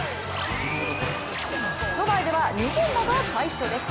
ドバイでは日本馬が快挙です。